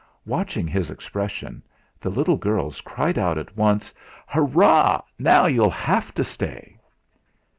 Watching his expression, the little girls cried out at once: "Hurrah! Now you'll have to stay!"